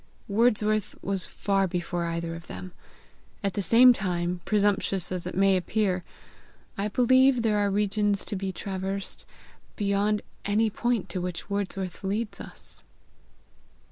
Wordsworth was far before either of them. At the same time, presumptuous as it may appear, I believe there are regions to be traversed, beyond any point to which Wordsworth leads us."